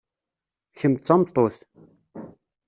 Kemm d tameṭṭut.